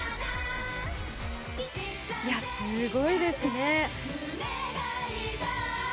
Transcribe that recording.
いやすごいですね！